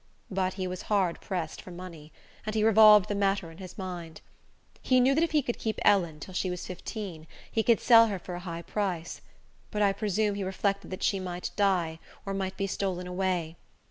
But he was hard pressed for money, and he revolved the matter in his mind. He knew that if he could keep Ellen till she was fifteen, he could sell her for a high price; but I presume he reflected that she might die, or might be stolen away.